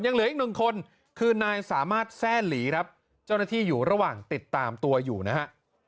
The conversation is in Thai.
ยังเหลืออีกหนึ่งคนคือนายสามารถแซ่หลีครับเจ้าหน้าที่อยู่ระหว่างติดตามตัวอยู่นะฮะ